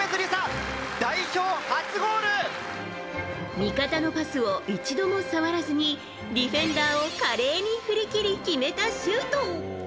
味方のパスを一度も触らずにディフェンダーを華麗に振り切り決めたシュート。